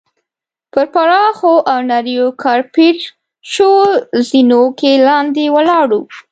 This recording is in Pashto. په پراخو او نریو کارپیټ شوو زینو کې لاندې ولاړو.